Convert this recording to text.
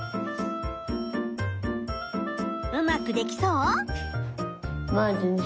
うまくできそう？